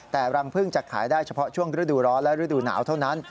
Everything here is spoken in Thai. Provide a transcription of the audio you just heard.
แต่รังพึ่งจะขายได้เฉพาะช่วงฤดูร้อนและฤดูหนาวเท่านั้น